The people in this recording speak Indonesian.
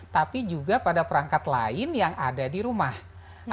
tapi juga pada perangkat lain yang ada di rumah